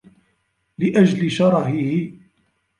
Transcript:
لِأَجْلِ شَرَهِهِ